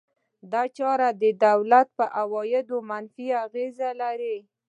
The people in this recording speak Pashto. دا چاره د دولت پر عوایدو منفي اغېز لري.